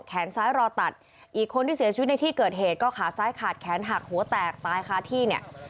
แขนซ้ายรอตัดอีกคนที่เสียชีวิตในที่เกิดเหตุก็ขาซ้ายขาดแขนหักหัวแตกตายคาที่เนี่ย